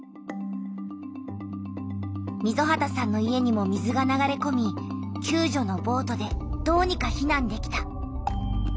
溝端さんの家にも水が流れこみきゅう助のボートでどうにか避難できた。